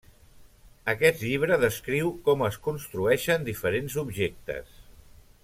Aquest llibre descriu com es construeixen diferents objectes.